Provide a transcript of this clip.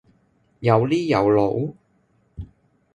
又呢又路？